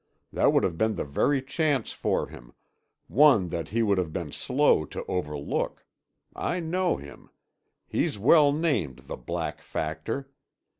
That would have been the very chance for him—one that he would have been slow to overlook. I know him. He's well named the Black Factor.